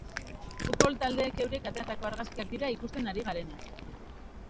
Futbol taldeek eurek ateratako argazkiak dira ikusten ari garenak.